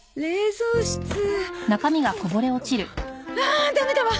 あダメだわ！